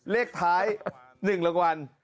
เลขท้าย๑รางวัล